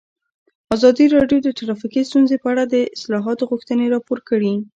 ازادي راډیو د ټرافیکي ستونزې په اړه د اصلاحاتو غوښتنې راپور کړې.